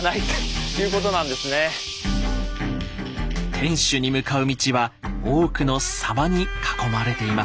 天守に向かう道は多くの狭間に囲まれています。